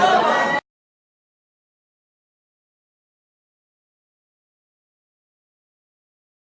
น้ำ